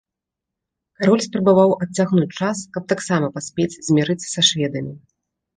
Кароль спрабаваў адцягнуць час, каб таксама паспець замірыцца са шведамі.